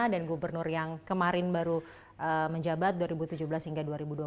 dan gubernur yang kemarin baru menjabat dua ribu tujuh belas hingga dua ribu dua puluh dua